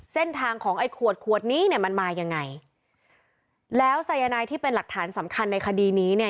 เส้นทางของไอ้ขวดขวดนี้เนี่ยมันมายังไงแล้วสายนายที่เป็นหลักฐานสำคัญในคดีนี้เนี่ย